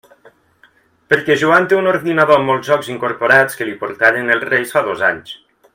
Perquè Joan té un ordinador amb molts jocs incorporats que li portaren els Reis fa dos anys.